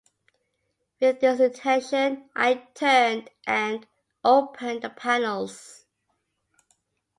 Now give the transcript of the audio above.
With this intention, I turned and opened the panels.